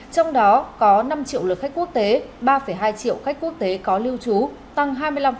trong đó có năm triệu lượt khách quốc tế ba hai triệu khách quốc tế có lưu trú tăng hai mươi năm